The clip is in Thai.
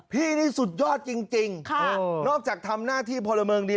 พี่นี่สุดยอดจริงนอกจากทำหน้าที่พลเมิงดี